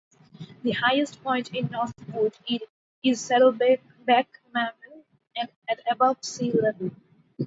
The highest point in Northwood is Saddleback Mountain, at above sea level.